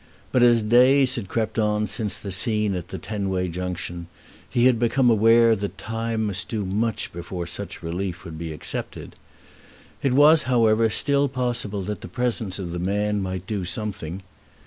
But as days had crept on since the scene at the Tenway Junction, he had become aware that time must do much before such relief would be accepted. It was, however, still possible that the presence of the man might do something.